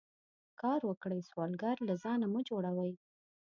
کار وکړئ سوالګر له ځانه مه جوړوئ